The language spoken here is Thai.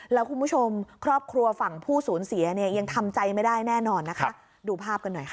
แล้วคุณผู้ชมครอบครัวฝั่งผู้สูญเสียเนี่ยยังทำใจไม่ได้แน่นอนนะคะดูภาพกันหน่อยค่ะ